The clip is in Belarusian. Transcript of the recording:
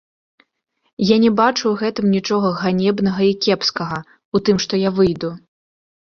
Я не бачу ў гэтым нічога ганебнага і кепскага, у тым, што я выйду.